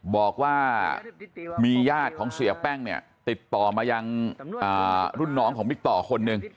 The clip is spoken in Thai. บอกว่ามีญาติของเสียแป้งเนี่ยติดต่อมายังรุ่นน้องของบิ๊กต่อคนหนึ่ง